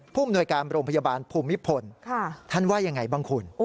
ภูมิหน่วยการโรงพยาบาลภูมิพลท่านว่ายังไงบ้างคุณ